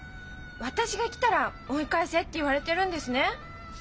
私が来たら追い返せって言われてるんですね？